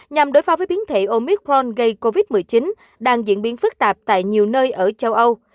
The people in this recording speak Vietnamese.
nhằm đối phó với biến thể omicron gây covid một mươi chín đang diễn biến phức tạp tại nhiều nơi ở châu âu